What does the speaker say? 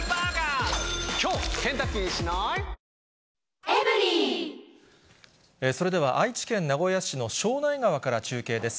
ニトリそれでは愛知県名古屋市の庄内川から中継です。